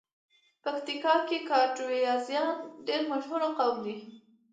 پکیتیکا کې ګټوازیان ډېر مشهور قوم دی.